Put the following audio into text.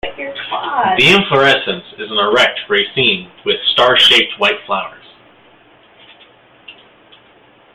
The inflorescence is an erect raceme with star-shaped white flowers.